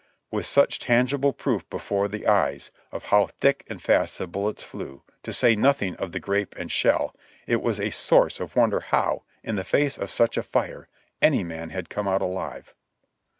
With such tangible proof before the eyes, of how thick and fast the bullets flew, to say nothing of the grape and shell, it was a source of wonder how, in the face of such a fire, any man had come out alive.